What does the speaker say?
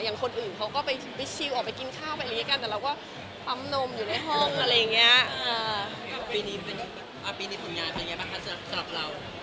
อย่างคนอื่นเขาก็ไปชิลออกไปกินข้าวไปอะไรอย่างนี้กัน